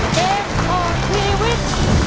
เกมของชีวิต